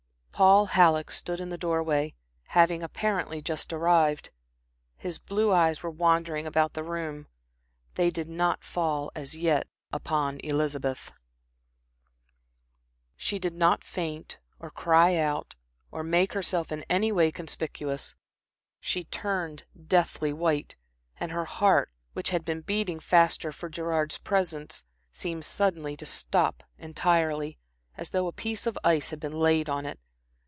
Paul Halleck stood in the door way, having apparently just arrived. His blue eyes were wandering about the room. They did not fall, as yet, upon Elizabeth. She did not faint, or cry out, or make herself in any way conspicuous. She turned deathly white, and her heart, which had been beating faster for Gerard's presence, seemed suddenly to stop entirely, as though a piece of ice had been laid on it.